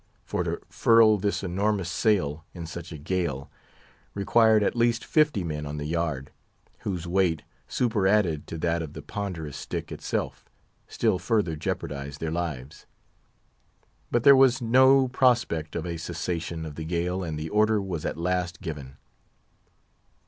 For to furl this enormous sail, in such a gale, required at least fifty men on the yard; whose weight, superadded to that of the ponderous stick itself, still further jeopardised their lives. But there was no prospect of a cessation of the gale, and the order was at last given.